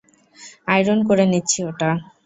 Iron করে নিচ্ছি ওটা।